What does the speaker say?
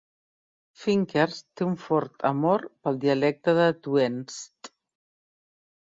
Finkers té un fort amor pel dialecte de Tweants.